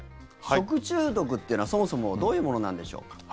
食中毒ってのはそもそもどういうものなんでしょうか？